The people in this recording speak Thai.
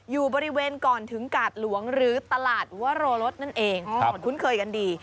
อยู่บริเวณก่อนถึงกาดหลวงหรือตลาดวโรรสนั่นเองคุ้นเคยกันดี